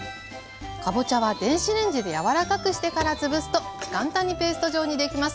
かぼちゃは電子レンジで柔らかくしてから潰すと簡単にペースト状にできます。